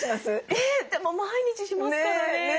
えでも毎日しますからね。